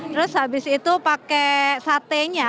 terus habis itu pakai satenya